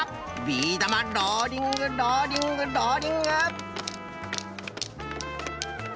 ビー玉ローリングローリングローリング。